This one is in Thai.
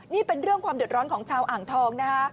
นี่เป็นเรื่องความเดือดร้อนของชาวอ่างทองนะคะ